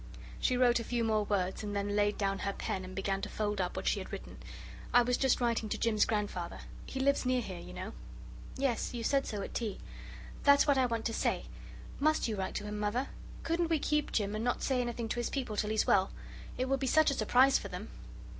She wrote a few more words and then laid down her pen and began to fold up what she had written. "I was just writing to Jim's grandfather. He lives near here, you know." "Yes, you said so at tea. That's what I want to say. Must you write to him, Mother? Couldn't we keep Jim, and not say anything to his people till he's well? It would be such a surprise for them."